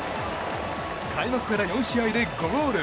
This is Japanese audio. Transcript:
開幕から４試合で５ゴール。